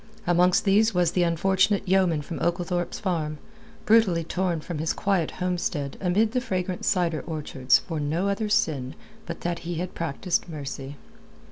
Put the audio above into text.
Amongst these was the unfortunate yeoman from Oglethorpe's Farm, brutally torn from his quiet homestead amid the fragrant cider orchards for no other sin but that he had practised mercy.